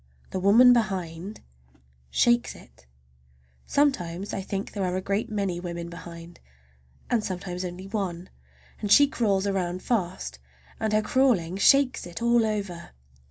The woman behind shakes it! Sometimes I think there are a great many women behind, and sometimes only one, and she crawls around fast, and her crawling shakes it all over.